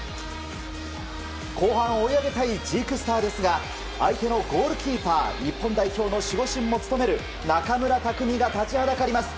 後半追い上げたいジークスターですが相手のゴールキーパー日本代表の守護神も務める中村匠が立ちはだかります。